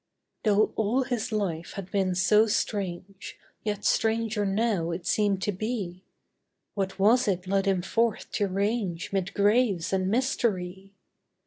'Though all his life had been so strange, Yet stranger now it seemed to be; What was it led him forth to range 'Mid graves and mystery?